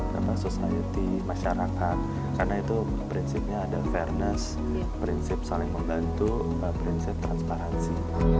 karena itu prinsipnya ada fairness prinsip saling membantu prinsip transparansi